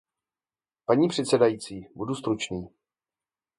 Paní předsedající, budu stručný.